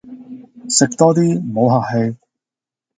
食多啲，唔好客氣